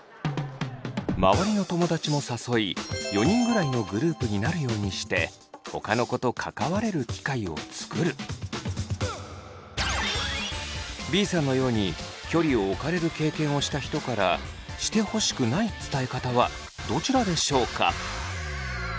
周りの友だちも誘い４人ぐらいのグループになるようにしてＢさんのように距離を置かれる経験をした人からしてほしくない伝え方はどちらでしょうか？